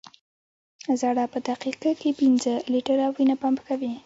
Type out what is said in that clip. زړه په دقیقه کې پنځه لیټره وینه پمپ کوي.